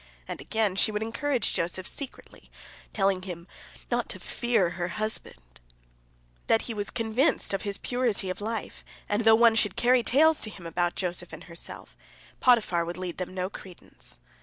And, again, she would encourage Joseph secretly, telling him not to fear her husband, that he was convinced of his purity of life, and though one should carry tales to him about Joseph and herself, Potiphar would lend them no credence.